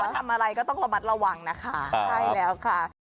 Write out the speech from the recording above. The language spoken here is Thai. ทำอะไรก็ต้องระมัดระวังนะคะ